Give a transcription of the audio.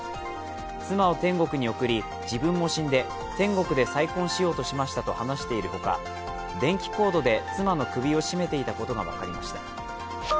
妻を天国に送り、自分も死んで天国で再婚しようとしましたと話しているほか、電気コードで妻の首を絞めていたことが分かりました。